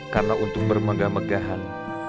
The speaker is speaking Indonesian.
karena untung bermegah megahan